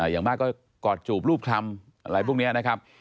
อย่างมากก็กอดจูบรูปคำอะไรพวกนี้นะครับ